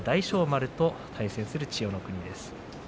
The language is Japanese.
丸と対戦する千代の国です。